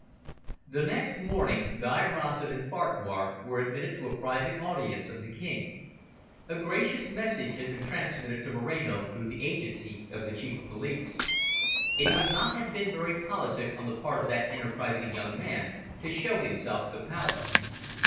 The next morning Guy Rossett and Farquhar were admitted to a private audience of the King. A gracious message had been transmitted to Moreno through the agency of the Chief of Police. It would not have been very politic on the part of that enterprising young man to show himself at the Palace.